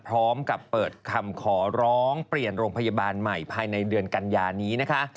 พร้อมกับเปิดคำขอร้องเปลี่ยนโรงพยาบาลใหม่ภายในเดือนกันยานี้นะคะ